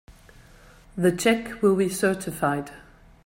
The check will be certified.